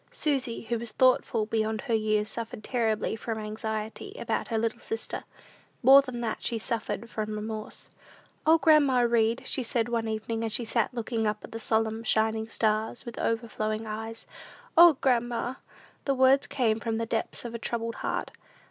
Susy, who was thoughtful beyond her years, suffered terribly from anxiety about her little sister. More than that, she suffered from remorse. "O, grandma Read," said she one evening, as she sat looking up at the solemn, shining stars, with overflowing eyes "O, grandma!" The words came from the depths of a troubled heart.